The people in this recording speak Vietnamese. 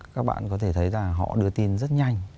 các bạn có thể thấy là họ đưa tin rất nhanh